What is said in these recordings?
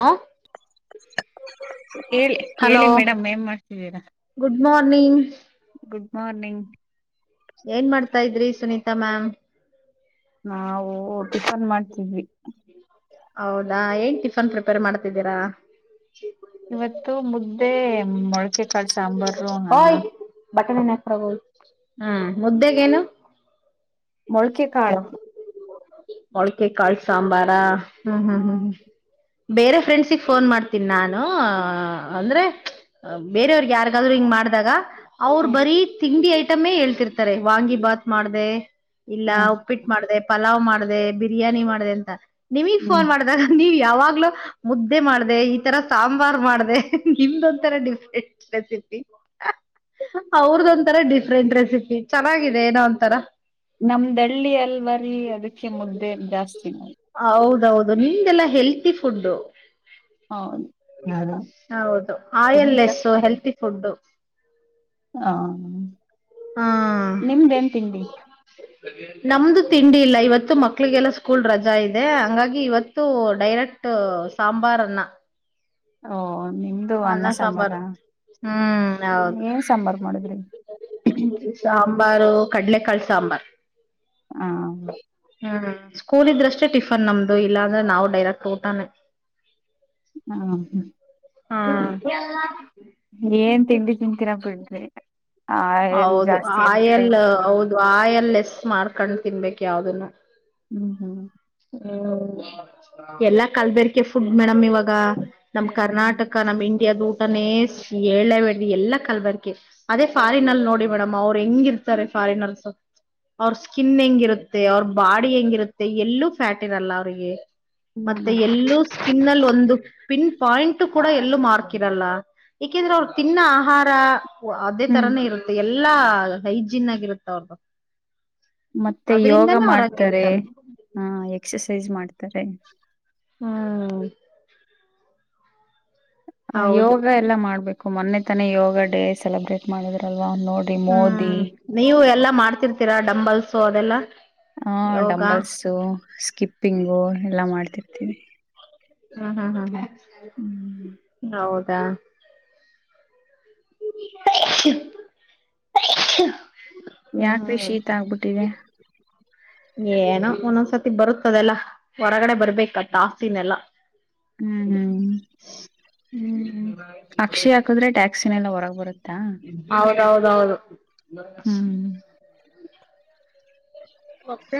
ಆ ಕಿ ಕೇಳಿ ಮೇಡಮ್ ಏನ್ ಮಾಡ್ತಿದ್ದೀರಾ ಗುಡ್ ಮಾರ್ನಿಂಗ್ ಗುಡ್ ಮಾರ್ನಿಂಗ್ ಏನ್ ಮಾಡ್ತಾ ಇದ್ರಿ ಸುನೀತಾ ಮ್ಯಾಮ್ ನಾವು ಟಿಫನ್ ಮಾಡ್ತಿದ್ವಿ ಹೌದಾ ಏನ್ ಟಿಫನ್ ಪ್ರಿಪೇರ್ ಮಾಡ್ತಿದ್ದೀರಾ ಇವತ್ತು ಮುದ್ದೆ ಮೊಳಕೆಕಾಳು ಸಾಂಬಾರು ಅನ್ನ ಬಟನೆನಕ ಬಾರಹೋಗಿ ಹ್ಮ ಮುದ್ದೆಗೆ ಏನು ಮೊಳಕೆ ಕಾಳ ಮೊಳಕೆ ಕಾಳ ಸಾಂಬಾರಾ ಹ್ಮ್ ಹ್ಮ್ ಹ್ಮ ಹ್ಮ್ ಹ್ಮ್ ಬೇರೆ ಫ್ರೆಂಡ್ಸಿಗೆ ಫೋನ್ ಮಾಡ್ತೀನಿ ನಾನು ಅಂದ್ರೆ ಬೇರವ್ರಿಗೆ ಯಾರಿಗಾದ್ರು ಹಿಂಗ ಮಾಡ ಮಾಡಿದಾಗ ಅವ್ರ ಬರೀ ತಿಂಡಿ ಐಟಮೇ ಹೇಳ್ತಿರ್ತಾರೆ ವಾಂಗಿ ಭಾತ್ ಮಾಡ್ದ ಇಲ್ಲ ಹ ಮಾಡ ಪಲಾವ್ ಮಾಡಿದೆ ಬಿರಿಯಾನಿ ಮಾಡಿದೆ ಅಂತ ನಿಮಗ್ ಹ್ಮ್ ಫೋನ್ ಮಾಡಿದಾಗ ನೀವ ಯಾವಾಗ್ಲ ಮುದ್ದೆ ಮಾಡಿದೆ ಈ ತರ ಸಾಂಬಾರ್ ಮಾಡಿದೆ ನಿಮ್ದ ಒಂ ತರ ಡಿಫ್ರೆಂಟ್ ರೆಸಿಪಿ ಅವ್ರದ ಒಂತರ ಡಿಫ್ರೆಂಟ್ ರೆಸಿಪಿ ಚೆನ್ನಾಗಿದೆ ಏನೋ ಒಂತರ ನಮ್ದ ಹಳ್ಳಿ ಅಲ್ವರಿ ಅದಕ್ಕೆ ಮುದ್ದೆ ಜಾಸ್ತಿ ನೋ ಹೌ ಹೌದು ನಿಮ್ದೆಲ್ಲಾ ಹೆಲ್ತಿ ಫುಡ್ ಹೌದು ಹೌದು ಆಯಲ್ಲೆಸ್ ಹೆಲ್ತಿ ಫುಡ್ಡು ಹಾ ಹಾ ನಿಮ್ದೇನ್ ತಿಂಡಿ ನಮ್ದು ತಿಂಡಿ ಇಲ್ಲ ಇವತ್ತು ಮಕ್ಳಿಗೆಲ್ಲ ಸ್ಕೂಲ್ ರಜಾ ಇದೆ ಹಂಗಾಗಿ ಇವತ್ತು ಡೈರೆಕ್ಟ್ ಸಾಂಬಾರ ಅನ್ನ ಹಓ ಅನ್ನ ಸಾಂಬಾರು ಹ್ಮ್ ಹೌದು ಏನ್ ಸಾಂಬಾರ್ ಮಾಡಿದ್ರಿ ಸಾಂಬಾರು ಕಡ್ಲೆಕಾಳಿ ಸಾಂಬಾರ್ ಹಾ ಹ್ಮ್ ಸ್ಕೂಲ್ ಇದ್ರಷ್ಟೇ ಟಿಫನ್ ನಮ್ದು ಇಲ್ಲ ಅಂದ್ರೆ ನಾವು ಡೈರೆಕ್ಟ್ ಊಟಾನೆ ಹ ಹಾ ಏನ್ ತಿಂಡಿ ತಿಂತೀರಾ ಬಿಡ್ರೆ ಹೌದು ಆಯಲ್ ಹೌದು ಆಯಲ್ ಲೆಸ್ ಮಾಡ್ಕೊಂಡ್ ತಿನ್ಬೇಕ ಯಾವ್ದನ್ನು ಹ್ಮ್ ಹ್ಮ್ ಹ್ಮ ಎಲ್ಲಾ ಕಲ್ಬೇರ್ಕೆ ಫುಡ್ ಮೇಡಮ್ ಇವಾಗ ನಮ್ ಹ್ಮ್ ಹ್ಮ್ ಕರ್ನಾಟಕ ನಮ್ ಇಂಡಿಯ ಏಳೆ ಎಲ್ಲ ಕಲ್ಬರ್ಕೆ ಅದೇ ಫಾರಿನನ್ ಅಲ್ಲಿ ನೋಡಿ ಮೇಡಮ್ ಅವ್ರು ಹೆಂಗಿರ್ತಾರೆ ಅವ್ರ ಸ್ಕಿನ್ ಹೆಂಗಿರುತ್ತೆ ಅವ್ರ ಬಾಡಿ ಹೆಂಗಿರುತ್ತೆ ಎಲ್ಲೂ ಫ್ಯಾಟ್ ಇರಲ್ಲ ಅವಿಗೆ ಮತ್ತೆ ಹ್ಮ್ ಎಲ್ಲೂ ಸ್ಕಿನ್ಲ್ಲಿ ಒಂದು ಪಿನ್ ಪಾಯಿಂಟ್ ಕೂಡ ಎಲ್ಲೂ ಮಾರ್ಕಿರಲ್ಲ ಏಕೆಂದ್ರೆ ಅವ್ರು ತಿನ್ನ ಆಹಾರ ಅದೇ ಹ್ಮ್ ತರಾನೇ ಇರುತ್ತೆ ಎಲ್ಲ ಎಲ್ಲಾ ಹೈಜಿನ್ ಆಗಿರುತ್ತೆ ಅವ್ರ್ದು ಮತ್ತೆ ಯೋಗ ಅದ್ರಿಂದಾನೇ ಮಾಡ್ತಾರೆ ಅವ್ರಂಗಿರ್ತಾರೆ ಹ ಎಕ್ಸಸೈಜ ಮಾಡ್ತಾರೆ ಹ್ಮ ಹ ಹೌದು ಯೋಗ ಎಲ್ಲ ಮಾಡ್ಬೇಕು ಮೊನ್ನೆ ತನೇ ಯೋಗ ಡೇ ಸೆಲೆಬ್ರೇಟ್ ಮಾಡಿದ್ರ ಹ್ಮ್ ನೀವು ಎಲ್ಲಾ ಮಾಡ್ತಿರ್ತೀರಾ ಡಂಬಲ್ಸು ಅದೆಲ್ಲಾ ಹ ಯೋಗ ಡಂಬಲ್ಸು ಸ್ಕಿಪ್ಪಿಂಗು ಎಲ್ಲಾ ಮಾಡ್ತಿರ್ತೀವಿ ಹ್ಮ್ ಹ್ಮ್ ಹ್ಮ್ ಹ್ಮ್ ಹ ಹೌದಾ [unintelligible] ಯಾಕ ಕೃ ಶಿ ಈತ ಆಗ್ಬಿಟ್ಟಿದೆ ಏನ ಒಂದೊಂದ್ಸತಿ ಬರುತ್ತದೆಲ್ಲ ಹೊರಗಡೆ ಬರ್ಬೇಕಟಸ್ನೆಲ್ಲಾ ಹ್ಮ್ ಹ್ಮ್ ಹ್ಮ್ ಅಕ್ಷಿ ಹಾಕದ್ರೆ ಟ್ಯಾಕ್ಸಿನೆಲ್ಲ ಹೊರಗ್ ಬರುತ್ತಾ ಹೌದೌದು ಹ್ಮ್ ಮತ್ತೆ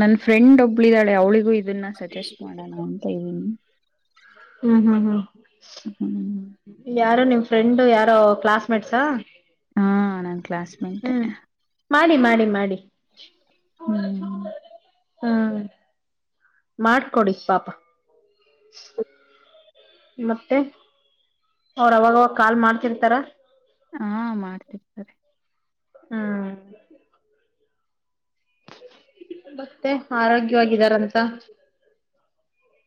ನನ್ ಫ್ರೆಂಡ್ ಒಬ್ಳಿದಾಳೆ ಅವ್ಳಿಗೂ ಇದನ್ನ ಸಜೆಸ್ಟ್ ಮಾಡೋಣ ಅಂತ ಇದೀನಿ ಹ್ಮ್ ಹ್ಮ್ ಹ್ಮ್ ಹ್ಮ್ ಯಾರು ನಿಮ್ ಫ್ರೆಂಡ್ ಯಾರೋ ಕ್ಲಾಸ್ಮೇಟ್ಸ್ ಕಲಸ್ಮೆಟ್ ಮಾಡಿ ಮಾಡಿ ಮಾಡಿ ಹ್ಮ್ ಹಾ ಮಾಡ್ಕೊಡಿ ಪಾಪ ಮತ್ತೆ ಅವ್ರಾಗವಾಗ ಕಾಲ್ ಮಾಡ್ತಿರ್ತಾರ ಹಾ ಮಾಡ್ತಿರ್ತಾರೆ ಹಾ ಮತ್ತೆ ಆರೋಗ್ಯವಾಗಿದಾರಂತ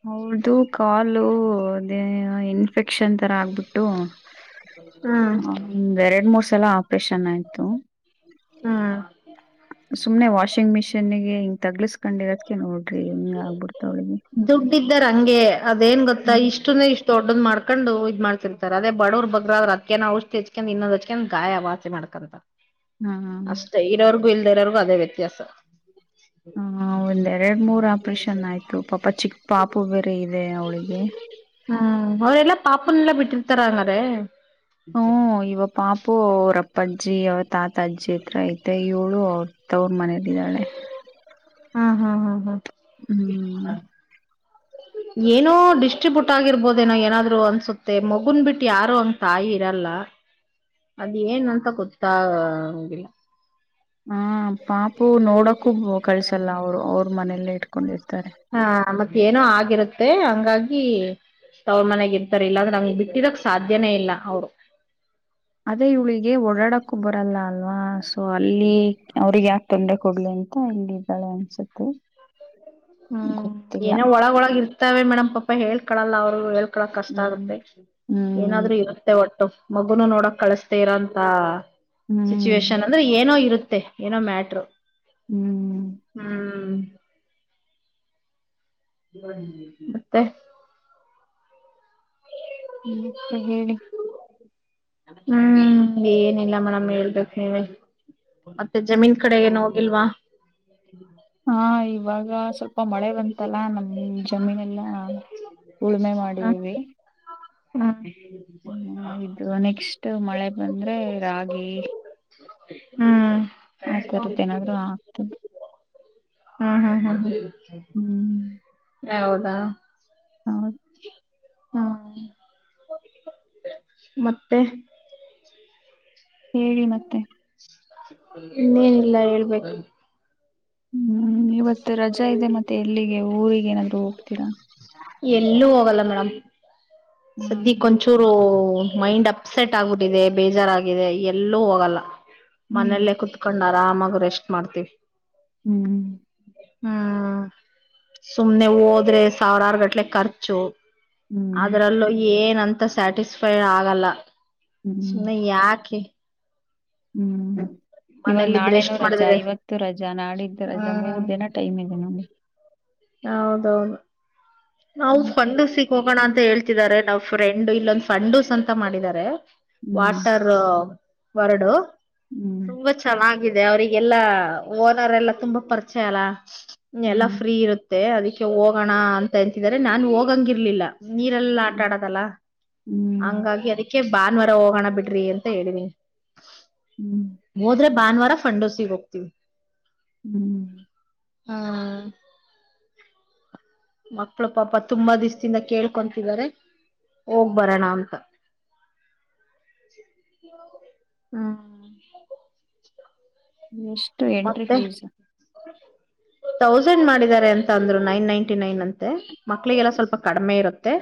ಹೌದದು ಕಾಲು ಅದೇ ಇನ್ಫೆಕ್ಷನ್ ತರ ಆಗ್ಬಿಟ್ಟು ಹ್ಮ್ ಒಂದ್ ಎರಡ್ ಮೂರ್ ಸಲ ಆಪ್ರೇಷನ್ ಆಯ್ತು ಹ್ಮ್ ಸುಮ್ನೆ ವಾಷಿಂಗ್ ಮಿಷೀನ್ ಗೆ ಹಿಂಗ ತಗ್ಲಸ್ಕೊಂಡಿರೋದಕ ನೋಡ್ರಿ ಹಿಂಗ ಆಗ್ಬಿಡ್ತ ಅವಳಿಗೆ ದುಡ್ಡ್ದಾರ ಹಂಗೆ ಅದೇನ್ ಗೊತ್ತಾ ಹ್ಮ್ ಇಷ್ಟುನ ಇಷ್ಟು ದೊಡ್ಡದ ಮಾಡ್ಕೊಂಡು ಇದ್ ಮಾಡ್ತಿರ್ತಾರೆ ಅದ ಬಡವರು ಬ್ರ್ರ ಅದಕ್ಕನ ಔಷಧಿಚ್ಕ್ ಇನ್ನೊ್ ಹಚ್ಕ್ ಗಾಯ ವಚಿ ಮಾಡ್ತಾರೆ [unintelligible] ಹ್ಮ ಇಲ್ದ ಇರೋರ್ಗೂ ಅದೇ ವ್ಯತ್ಯಾಸ ಒಂದ್ ಎರಡ್ ಮೂರ್ ಆಪ್ರೇಷನ್ ಆಯ್ತು ಪಾಪ ಚಿಕ್ಕ ಪಾಪು ಬೇರೆ ಇದೆ ಅವಳಿಗೆ ಹ್ಮ್ ಅವರೆಲ್ಲಾ ಪಾಪನೆಲ್ಲಾ [unintelligible] ಹ್ಮ ಇವ ಪಾಪು ಅವ್ರಪ್ಪಜ್ಜಿ ಅವ ತಾತ ಅಜ್ಜಿ ಇ ಹತ್ರ ಐತೆ ಇವಳು ಅವ್ರ ತವ್ರ ಮನೇಲ್ಲಿದ್ದಾಳೆ ಹ್ಮ ಹಾ ಹಾ ಹ್ಮ ಹ್ಮ್ ಹ ಏನೋ ಡಿಸ್ಟ್ರಿಬ್ಯೂಟ್ ಆಗಿರ್ಬೋದೇನೋ ಏನಾದ್ರು ಅನ್ಸುತ್ತೆ ಮಗುನ್ ಬಿಟ್ಟು ಯಾರು ಅಂಗ್ ತಾಯಿ ಇರಲ್ಲ ಅದ್ ಏನ್ ಅಂತ ಗೊತ್ತತ್ತಾಂಗಿಲ್ಲ ಹ ಪಾಪು ನೋಡಕೂ ಕಳ್ಸಲ್ಲ ಅವರು ಅವ್ರ ಮನೆಯಲ್ಲೇ ಇಟ್ಕೊಂಡಿರ್ತ ಹಾ ಮತ್ತ ಏನೋ ಆಗಿರುತ್ತೆ ಹಂಗಾಗಿ ಅವ್ರ ಮನೆಗ್ ಇರ್ತಾರ ಇಲ್ಲಾಂದ್ರೆ ನಮ್ ಬಿಟ್ಟಿದಕ್ ಸಾಧ್ಯನೇ ಇಲ್ಲ ಅವ್ರು ಅದೇೆಯುಳಿಗೆ ಓಡಾಡಕ್ಕೂ ಬರಲ್ಲ ಅಲ್ಲ ಅಲ್ವಾ ಸೊ ಅಲ್ಲಿ ಅವ್ರಗ್ ಯಾಕೆ ತೊಂದ್ರೆ ಕೊಡ್ಲಿ ಅಂತ ಇಲ್ಲಿ ಇದ್ದಾಳೆ ಅನ್ಸುತ್ತೆ ಹ್ಮ್ ಗೊತ್ತಿಲ್ಲ ಏನೋ ಒಳಗ ಒಳಗ ಇರ್ತಾವೆ ಮೇಡಮ್ ಪಾಪ ಹೇಳ್ಕಳಲ್ಲ ಅವ ಹೇಳ್ಕೊಕ್ ಕಷ್ಟ ಹ್ಮ್ ಆಗುತ್ತೆ ಹ್ಮ್ ಏನಾದ್ರೂ ಇರುತ್ತೆ ಒಟ್ಟು ಮಗುನು ನೋಡಕ್ ಕಳಸ್ತ ಇರೋಂತ ಹ್ಮ್ ಸಿಚುವೇೇಶನ್ ಅಂದ್ರೆ ಏನೋ ಇರುತ್ತೆ ಮತ್ತೆ ಏನೋ ಮ್ಯಾಟರು ಹ್ಮ್ ಹ್ಮ್ ಮತ್ತೆ ಮತ್ತ ಹೇಳಿ ಹ್ಮ್ ಏನಿಲ್ಲ ಮೇಡಮ್ ಹೇಳ್ಬೇಕ ಹೇಳಿ ಮತ್ತೆ ಜಮೀನ್ ಕಡೆಗೆ ನೋ ಇಲ್ವಾ ಹಾ ಇವಾಗ ಸ್ವಲ್ಪ ಮಳೆ ಬಂತಲ್ಲ ನಮ ಜಮೀನೆಲ್ಲಾ ಉಳುಮೆ ಮಾಡಿದೀವಿ ಹಾ ಹ್ಮ ಇದು ನೆಕ್ಸ್ಟ್ ಮಳೆ ಬಂದ್ರೆ ರಾಗಿ ಹ್ಮ ಆತರುದೇಏನಾದ್ರು ಆಗ್ತದೆ ಹಾ ಹಾ ಹಾ ಹ್ಮ್ ಹೌದಾ ಹೌದು ಹ್ಮ ಮತ್ತೆ ಹೇಳಿ ಮತ್ತೆ ಇನ್ನೇನ್ ಇಲ್ಲ ಹೇಳ್ಬೇಕು ಹ್ಮ್ ಇವತ್ತು ರಜಾ ಇದೆ ಮತ್ತೆ ಎಲ್ಲಿಗೆ ಊರಿಗೆ ಏನಾದ್ ಹೋಗ್ತೀರಾ ಎಲ್ಲೂ ಹೋಗಲ್ಲ ಮೇಡಮ್ ಸ್ದಿ ಹ್ಮ್ ಕೊಂಚೂರು ಮೈಂಡ್ ಅಪ್ಸೆಟ್ ಆಗಿದೆ ಬೇಜಾರಿದೆ ಎಲ್ಲೂ ಹೋಗಲ್ಲ ಹ್ಮ್ ಮನಲ್ಲೇ ಕುತ್ಕೊಂಡ ಆರಾಮಾಗಿ ರೆಸ್ಟ್ ಮಾಡ್ತೀವಿ ಹ್ಮ್ ಹ್ಮ್ ಸುಮ್ನೆ ಹೋದ್ರೆ ಸಾವಿರಾರು ಗಟ್ಲೆ ಖರ್ಚು ಹ್ಮ್ ಅದ್ರಲ್ಲೂ ಏನಂತ ಸ್ಯಾಟಿಸ್ಫೈಡ್ ಆಗಲ್ಲ ಹ್ಮ್ ನ್ನ ಆಕೆ ಹ್ಮ್ ಇವಾಗ ಮನೇಲಿದ್ರೆ ನಾಳೆನು ಎಷ್ಟ್ ರಜಾ ಮಾಡಿದ್ರೆ ಇವತ್ತು ರಜಾ ನಾಡಿದ್ದು ರಜಾ ಮೂರ್ ಹ್ಮ್ ದಿನ ಟೈಮ್ ಇದೆ ನೋಡಿ ಹೌದೌದು ನಾವು ಮತ್ತೆ ಕೊಂಡು ಸಿಗ್ ಹೋಗೋಣ ಅ ಹೇಳ್ತಿದ್ದಾರೆ ನಾವ್ ಫ್ರೆಂಡ್ ಇಲ್ಲೊಂದು ಫಂಡುಸ್ ಅಂತ ಮಾಡಿದಿದ್ದಾರೆ ಹ್ಮ್ ವಾಟರ್ ವರಡು ಹ್ಮ್ ತುಂಬಾ ಚೆನ್ನಾಗಿ ಅವರಿಗೆಲ್ಲ ಓನರ್ ಎಲ್ಲ ತುಂಬಾ ಪರಿಚಯ ಅಲ್ಲ ಎಲ್ಲಾ ಹ್ಮ್ ಫ್ರೀ ಇರುತ್ತೆ ಅದಕ್ಕೆ ಹೋಗಣ ಅಂತ ಅನ್ಂತಿದಿದ್ದಾರೆ ನಾನು ಹೋಗಂಗ ಇರ್ಲಿಲ್ಲ ನೀರೆಲ್ಲ ಆಟಾಡದಲ್ಲ ಹ್ಮ್ ಹ್ಮ್ ಹಂಗಾಗಿ ಅದಕ್ಕೆ ಭಾನವಾರ ಹೋಗೋಣ ಬಿಡ್ರಿ ಅಂತ ಹೇಳಿದೀನಿ ಹ್ಮ್ ಹೋದ್ರೆ ಭಾನುವಾರ ಫಂಡೋಸಿಗೆ ಹೋಗ್ತವಿ ಹ್ಮ್ ಹಾ ಮಕ್ಳ ಪಾಪ ತುಂಬಾ ದಿಸ್ದಿಂದ ಕೇಳ್ಕೊಂತಾರೆ ಹೋಗ್ ಬರೋಣ ಅಂತ ಹ್ಮ್ ಎಷ್ಟು ಎಂಟ್ರಿ ಮತ್ತೆ ಫೀಸ್ ತೌಸಂಡ್ ಮಾಡಿದ್ದಾರೆ ಅಂತ ಅಂದ್ರು ನೈನ್ ನೈನ್ಟಿ ನೈನ್ ಅಂತೆ ಮಕ್ಳಿಗೆಲ್ಲ ಸ್ವಲ್ಪ ಕಡಿಮೆ ಇರುತ್ತೆ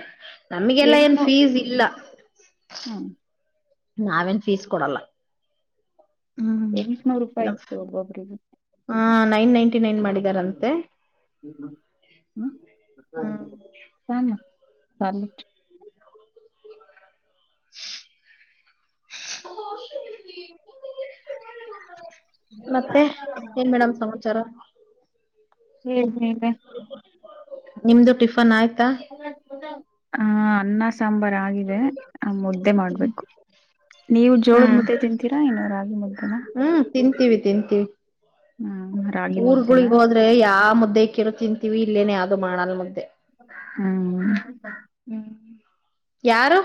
ನಮ್ಗೆಲ್ಲ ಏನ್ ಫೀಸ್ ಇಲ್ಲ ಹ್ಮ್ ನಾವೇನ್ ಫೀಸ್ ಕೊಡಲ್ಲ ಎಂಟುನೂರು ರೂಪಾಯಿ ಇತ್ತುಬ್ಬೊಬ್ಬ್ರರಿಗೆ ಹ ನೈನ್ ನೈಂಟಿ ನೈನ್ ಮಾಡಿದಾರಂತೆ ಹ್ಮ ಹ್ಮ್ ಸಾನ ಸ [unintelligible] ಅಷ [unintelligible] ಮತ್ತೆ ಏನ್ ಮೇಡಮ್ ಸಮಾಚಾರ ಹ್ಮ ಹ್ಮದ ನಿಮ್ದು ಟಿಫನ್ ಆಯ್ತಾ ಹ ಅನ್ನ ಸಾಂಬಾರ್ ಆಗಿದೆ ಆ ಮುದ್ದೆ ಮಾಡ್ಬೇಕು ನೀವು ಜೋಳದ ಹ್ಮ್ ಮುದ್ದೆ ತಿಂತೀರಾ ಇನ್ನು ರಾಗಿ ಮುದ್ದನ ಊರ್ಗಳಗ್ ಹೋದ್ರೆ ಯಾವ ಮುದ್ದೆ ಕಿರು ತಿಂತೀವಿ ಇಲ್ಲೇನೆ ಯಾವ್ದು ಮಾಡಲ್ ಮುದ್ದೆ ಹ್ಮ್ ಹ್ಮ್ ಯಾರು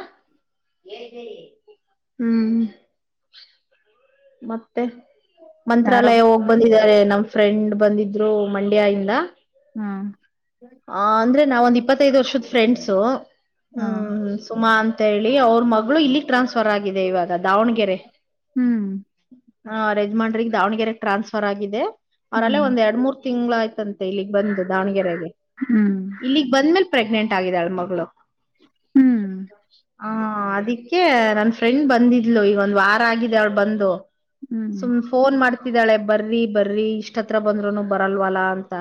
ಹ್ಮ್ ಮತ್ತೆ ಯಾರೋ ಮಂತ್ರಾಲಯ ಹೋಗ್ ಬಂದಿದ್ದಾರೆ ನಮ ಫ್ರೆಂಡ್ ಬಂದಿದ್ರು ಮಂಡ್ಯ ಇಿಂದ ಹ್ಮ ಹ ಅಂದ್ರೆ ನಾವ ಒಂದ್ ಇಪ್ಪತ್ತೈದು ವರ್ಷದ ಫ್ರೆಂಡ್ಸು ಹ ಹ್ಮ್ ಸುಮ ಅಂತ ಅ ಹೇಳಿ ಅವ್ರ ಮಗಳು ಇಲ್ಲಿಗ್ ಟ್ರಾನ್ಸ್ಫರ್ ಆಗಿದೆ ಇವಾಗ ದಾವಣಗೆರೆ ಹ್ಮ್ ಹ ರೆಜ್ಮಾಂಡ್ರಿಗೆ ದಾವಣಗೆರೆಗೆ ಟ್ರಾನ್ಸ್ಫರ್ ಆಗಿದೆ ಅವರಲ್ಲ ಹ್ಮ್ ಒಂದ ಎರಡ್ ಮೂರ್ ತಿಂಗ್ಗಳ ಆಯ್ತಂತೆ ಇಲ್ಲಿ ಬಂದು ದಾವಣಗೆರೆಗೆ ಹ್ಮ್ ಇಲ್ಲಿ ಬಂದ್ಮೇಲೆ ಪ್ರೆಗ್ನೆಂಟ್ ಆಗಿದಾಳ ಮಗಳು ಹ ಅದಿಕ್ಕೆ ನನ್ ಫ್ರೆಂಡ್ ಬಂದಿದ್ಲು ಈಗ ಒಂದ್ ವಾರ ಆಗಿದೆ ಅವಳು ಬಂದು ಹ್ಮ್ ಸುಮ್ ಫೋನ್ ಮಾಡ್ತಿದ್ದಾಳೆ ಬರ್ರಿ ಬರ್ರಿ ಇಷ್ಟತ್ರ ಬಂದ್ರುನು ಬರಲ್ವಲ್ಲ ಅಂತ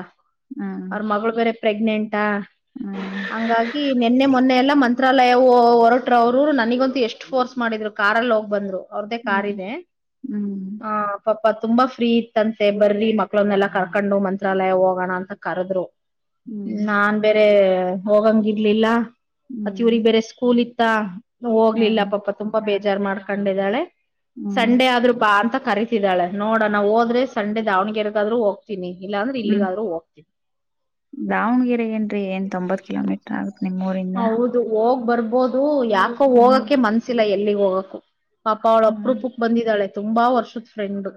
ಅವ್ರ ಹ್ಮ್ ಮಗಳು ಬೇರೆ ಪ್ರೆಗ್ನೆಂಟಾ ಹ ಹಂಗಾಗಿ ನಿೆನ್ನೆ ಮೊನ್ನೆ ಎಲ್ಲಾ ಮಂತ್ರಾಲಯವು ಹೊರಟ ಅವ್ರರು ನನಗಂತೂ ಎಷ್ಟ್ ಫೋರ್ಸ್ ಮಾಡಿದ್ರು ಕಾರಾರ್ಲ್ಲಿ ಹೋಗ್ ಬಂದ್ರು ಅವ್ರ್ದೇ ಹ್ಮ್ ಕಾರಿದೆ ಹ್ಮ್ ಆ ತುಂಬಾ ಫ್ರೀ ಇತ್ತಂತೆ ಬರಲಿ ಮಕ್ಳನ್ನೆಲ್ಲಾ ಕರ್ಕೊಂಡು ಮಂತ್ರಾಲಯ ಹೋಗೋಣ ಅಂತ ಕರದ್ರು ಹ್ಮ್ ನಾನ್ ಬೇರೆ ಹೋಗಂಗ ಇರ್ಲಿಲ್ಲ ಮತ್ತ ಹ್ಮ್ ಇವ್ರಿಗೆ ಬೇರೆ ಸ್ಕೂಲ್ ಇತ್ತು ತ್ತ ಹ ಹೋಗ್ಲಿಲ್ಲ ಪಾಪ ತುಂಬಾ ಬೇಜಾರ್ ಮಾಡ್ಕೊಂಡಿದ್ದಾಳೆ ಹ್ಮ್ ಸಂಡೆ ಆದ್ರು ಬಾ ಅಂತ ಕರಿತಿದ್ದಾಳ ನೋಡ ನಾ್ ಹೋದ್ರೆ ಸಂಡೆ ದಾವಣಗೆರೆಗಾದ್ೂ ಹೋಗ್ತಿನಿ ಇಲ್ಲಾಂದ್ರೆ ಹ್ಮ್ ಇಲ್ಲಿಗಾದ್ೂೋಗ್ತೀನಿ ದಾವಣಗೆರೆ ನ್ೀ ಏನ್ ತೊಂಬತ್ ಕಿಲೋಮೀಟರ್ ಆಗುತ್ತತ್ ನಿಮ್ಗೆ ಹೌದು ಹೋಗ್ ಬರ್ಬೋದು ಯಾಕೋ ಹ್ಮ್ ಹೋಗಕ ಮನ್ಸಿಲ್ಲ ಎಲ್ಲಿಗ್ ಹೋಗಕ್ಕ ಪಾಪ ಅವಳು ಹ್ಮ್ ಅಪ್ರೂಪಕ್ ಬಂದಿದ್ದಾಳೆ ತುಂಬಾ ವರ್ಷದ ಫ್ರೆಂಡ್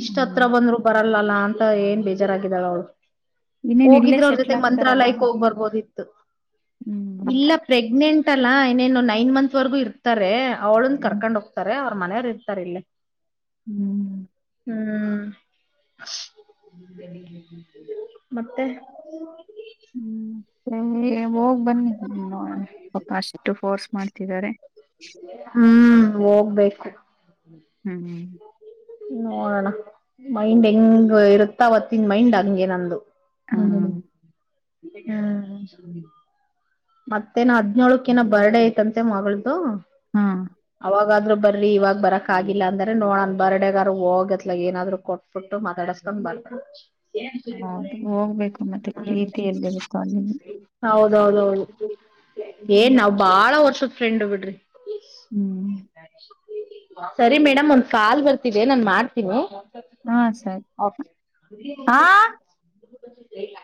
ಇಷ್ಟ ಹ್ಮ್ ಹತ್ರ ಬಂದ್ರು ಬರ ಲ್ಲಲ್ಲ ಅಂತ ಏನ್ ಬೇಜಾರಾಗಿದಳ ಅವಳು ಇನ್ನೇನ್ ಇಲ್ಲೇ ಹೋಗಿದ್ರೆ ಅವ್ರ ಜೊತೆ ಸೆಟ್ಲ್ ಆಗ್ತಾರಲ್ಲ ಮಂತ್ರಾಲಯಕ್ ಹೋಗ್ ಬರ್ಬೋದುಿ ಹ್ಮ್ ಇಲ್ಲ ಪ್ರೆಗ್ನೆಂಟ್ ಅಲ್ಲ ಇನೇನು ನೈನ್ ಮಂತ್ ವರೆಗೂ ಇರ್ತಾರೆ ಅವ ಅವಳನ್ ಹ್ಮ್ ಕರ್ಕೊಂಡ್ ಹೋಗ್ತಾರೆ ಅವ್ರ ಮನೆಯರು ಇರ್ತಾರೆ ಇಲ್ಲ ಹ್ಮ್ ಹ್ಮ್ ಮತ್ತೆ ಹ್ಮ್ ಸರಿ ಹೋಗ್ ಬನ್ನಿ ಪಾಪ ಅಷ್ಟು ಫೋರ್ಸ್ ಮಾಡಿ ಇಟ್ಟಿದ್ದಾರೆ ಹ್ಮ್ ಹೋಗ್ಬೇಕು ಹ್ಮ್್ಮ ನೋಡೋಣ ಮೈಂಡ್ ಹೆಂಗ್ ಇರುತ್ತ ಅವತ್ತಿನ ಮೈಂಡ್ ಹಂಗೆ ನಂದು ಹಾ [inaudible] ಹಾಂ ಮತ್ತೇನ ಹದ್ನೋಳಕೇನ ಬರ್ಡ ಐತಂತೆ ಮಗಳ್ದ ಹಾ ಯಾದ್ ಬರಿ ಇವಾಗ ಬರಕ್ ಆಗಿಲ್ಲ ಅಂದರೆ ನೋಡನ್ ಬರ್ಡಗಾರರು ಹೋಗತ್ಲ ಏನಾದ್ರು ಕೊಟ್ಬಿಟ್ಟು ಮಾತಾಡಸ ಬರ್ತೀನಿ ಹೌದು ಹೋಗ್ಬೇಕು ಮತ್ತೆ ಪ್ರೀತಿ ಎಲ್ಲಿರುತ್ತೋ ಅಲ್ಲಿಗೆ ಹ್ಮ ಹೌದೌದ ಹೌದು ಏನ್ ಹ್ಮ್ ನಾವ್ ಬಾಳ ವರ್ಷದ ಫ್ರೆಂಡ್ ಬಿಡ್ರಿ ಹ್ಮ್ ಸರಿ ಮೇಡಮ್ ಒಂದ್ ಕಾಲ್ ಬರ್ತಿದೆ ನಾನ್ ಮಾಡ್ತೀನಿ ಹಾ ಸರಿ ಓಕೆ ಹ [inaudible]